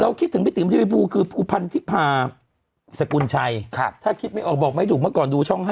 คิดถึงพี่ติ๋มทีวีภูคือภูพันธิพาสกุลชัยถ้าคิดไม่ออกบอกไม่ถูกเมื่อก่อนดูช่อง๕